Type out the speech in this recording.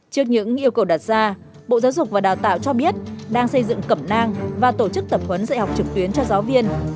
trước những yêu cầu đặt ra bộ giáo dục và đào tạo cho biết đang xây dựng cẩm nang và tổ chức tập huấn dạy học trực tuyến cho giáo viên